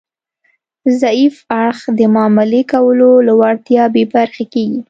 ضعیف اړخ د معاملې کولو له وړتیا بې برخې کیږي